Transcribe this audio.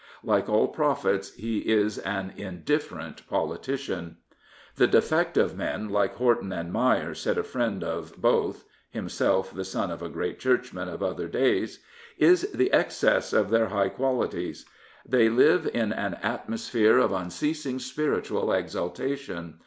Like all prophets, he is an indifferent politician. " The defect of men like Horton and Meyer," said a friend of both — himself the son of a great Church 27a Dr. Horton man of other days, " is the excess of their high qualities. They live in an atmosphere of unceasing spiritual exaltation.